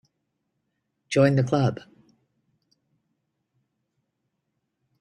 Join the Club.